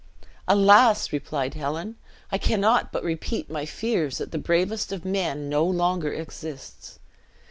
"Alas!" replied Helen, "I cannot but repeat my fears that the bravest of men no longer exists.